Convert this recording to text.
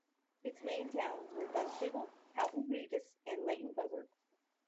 Its main towns were Dunstable, Houghton Regis and Leighton Buzzard.